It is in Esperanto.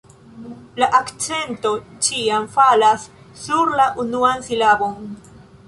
La akcento ĉiam falas sur la unuan silabon.